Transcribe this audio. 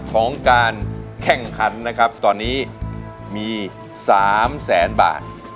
ของการแข่งขันนะครับตอนนี้มี๓แสนบาท